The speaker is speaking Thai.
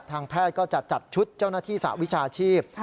ทางแพทย์ก็จะจัดชุดเจ้าหน้าที่สหวิชาชีพ